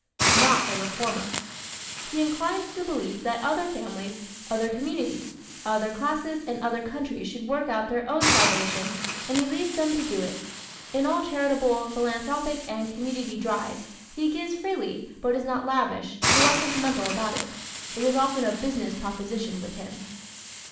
Not a Reformer ¶ He inclines to the belief that other families, other communities, other classes and other countries should work out their own salvation and he leaves them to do it. In all charitable, philanthropic and community "drives" he gives freely but is not lavish nor sentimental about it. It is often a "business proposition" with him.